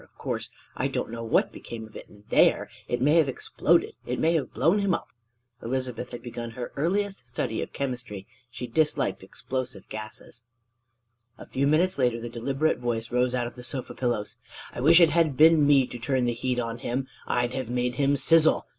of course, I don't know what became of it there; it may have exploded; it may have blown him up." Elizabeth had begun her earliest study of chemistry; she disliked explosive gases. A few minutes later the deliberate voice rose out of the sofa pillows: "I wish it had been me to turn the heat on him: I'd have made him sizzle!